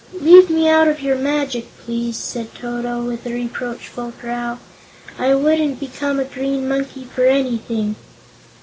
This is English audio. "Leave me out of your magic, please," said Toto, with a reproachful growl. "I wouldn't become a Green Monkey for anything."